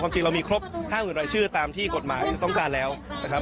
จริงเรามีครบ๕๐๐๐รายชื่อตามที่กฎหมายต้องการแล้วนะครับ